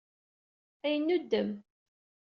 Ad yennuddem.